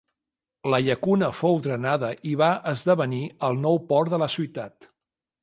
La llacuna fou drenada i va esdevenir el nou port de la ciutat.